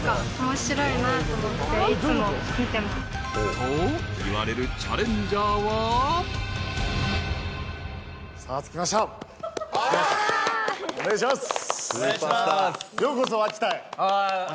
［といわれるチャレンジャーは］お願いします。